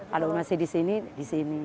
kalau masih di sini di sini